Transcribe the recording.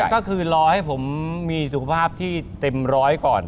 ก็คือรอให้ผมมีสุขภาพที่เต็มร้อยก่อน